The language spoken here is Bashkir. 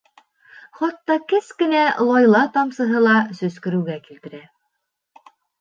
Хатта кескенә лайла тамсыһы ла сөскөрөүгә килтерә.